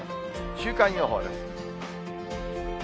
週間予報です。